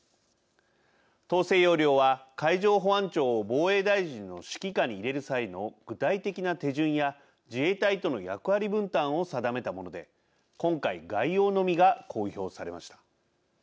統制要領は、海上保安庁を防衛大臣の指揮下に入れる際の具体的な手順や自衛隊との役割分担を定めたもので今回、概要のみが公表されました。